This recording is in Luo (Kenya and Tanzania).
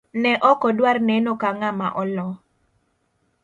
Ne okodwar neno ka ng'ama olo.